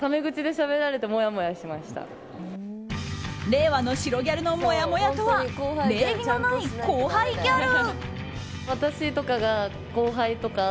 令和の白ギャルのもやもやとは礼儀のない後輩ギャル。